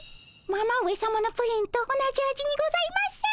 ママ上さまのプリンと同じ味にございます。